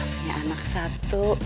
ah punya anak satu